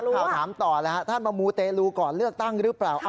ข่าวถามต่อแล้วฮะท่านมามูเตลูก่อนเลือกตั้งหรือเปล่า